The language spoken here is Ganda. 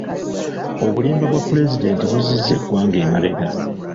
Obulimba bwa Pulezidenti buzizza eggwanga emabega.